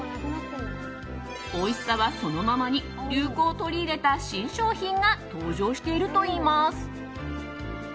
おいしさはそのままに流行を取り入れた新商品が登場しているといいます。